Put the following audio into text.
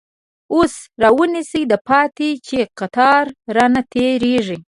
اوس راونیسه داپاتی، چی قطار رانه تير یږی